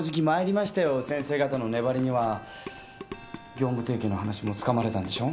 業務提携の話もつかまれたんでしょ？